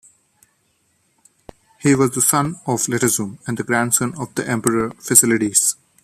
He was the son of Letezum, and the grandson of the Emperor Fasilides.